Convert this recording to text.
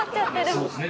そうっすね